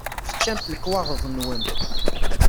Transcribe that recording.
Teččamt lekwaɣeḍ-nwent